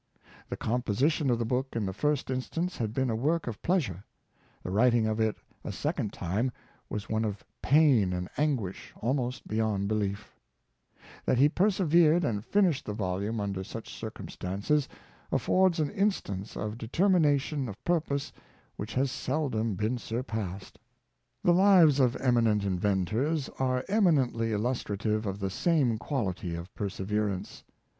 The composition of the book in the first instance had been a work of pleasure; the writing of it a second time was one of pain and anguish almost beyond belief That he persevered and finished 230 SiefJi en son — Watt. the volume under such circumstances, affords an instance of determination of purpose which has seldom been sur passed. The lives of eminent inventors are eminently illustra tive of the same quality of perseverance.